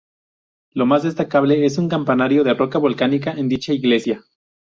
Lo más destacable es un campanario de roca volcánica en dicha iglesia.